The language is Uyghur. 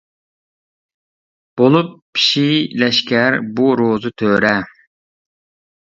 بولۇپ پىشى لەشكەر بۇ روزى تۆرە.